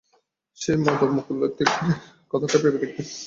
সেই মদ-মুকুলিতাক্ষীর কথাটা ভেবে দেখবেন।